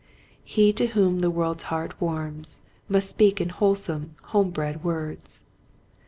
" He to whom the world's heart warms Must speak in wholesome, home bred words."